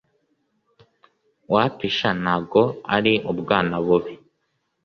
wapi sha ntago ari ubwana bubi